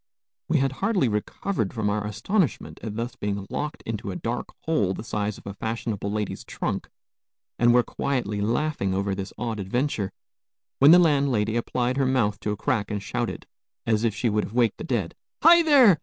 We had hardly recovered from our astonishment at thus being locked into a dark hole the size of a fashionable lady's trunk, and were quietly laughing over this odd adventure, when the landlady applied her mouth to a crack and shouted, as if she would have waked the dead: "Hi, there!